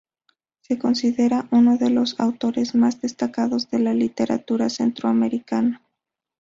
Se considera uno de los autores más destacados de la literatura centroamericana.